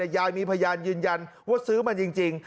ยายมีพยานยืนยันว่าซื้อมาจริง